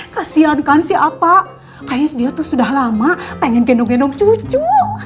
kasian kan sih apa kayaknya dia tuh sudah lama pengen gendong gendong cucu